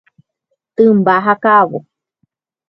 Tymba ha ka'avo.